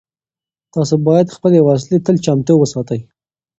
تاسو باید خپلې وسلې تل چمتو وساتئ.